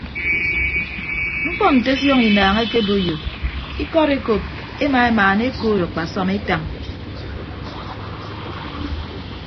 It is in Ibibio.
Mkpọ nte ọfiọñ inaañ ekeboiyo ikọd ekop ema emaana ekood akpasọm etañ.